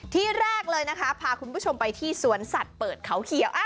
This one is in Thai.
ที่แรกเลยนะคะพาคุณผู้ชมไปที่สวนสัตว์เปิดเขาเขียว